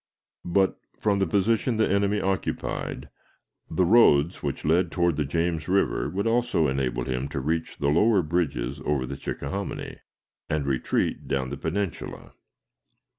But, from the position the enemy occupied, the roads which led toward the James River would also enable him to reach the lower bridges over the Chickahominy, and retreat down the Peninsula.